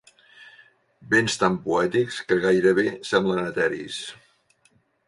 Vents tan poètics que gairebé semblen eteris.